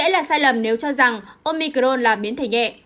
lầm nếu cho rằng omicron là biến thể nhẹ